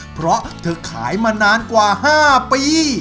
เพราะเธอขายมานานกว่า๕ปี